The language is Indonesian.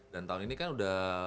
dan tahun ini kan udah